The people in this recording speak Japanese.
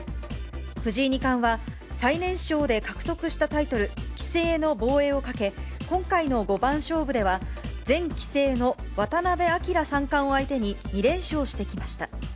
藤井二冠は、最年少で獲得したタイトル、棋聖の防衛をかけ、今回の五番勝負では、前棋聖の渡辺明三冠を相手に、２連勝してきました。